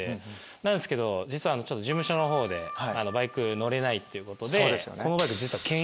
なんですけど実は事務所のほうでバイク乗れないっていうことでこのバイク。